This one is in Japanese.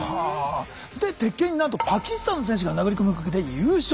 で「鉄拳」になんとパキスタンの選手が殴り込みをかけて優勝。